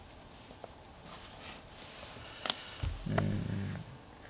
うん。